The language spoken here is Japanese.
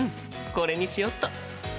これにしよっと。